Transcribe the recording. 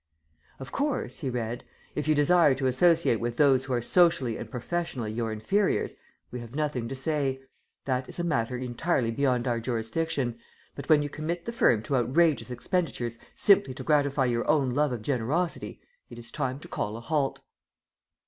"Of course," he read, "if you desire to associate with those who are socially and professionally your inferiors, we have nothing to say. That is a matter entirely beyond our jurisdiction, but when you commit the firm to outrageous expenditures simply to gratify your own love of generosity, it is time to call a halt."